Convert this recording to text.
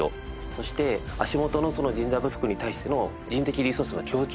そして足元の人材不足に対しての人的リソースの供給。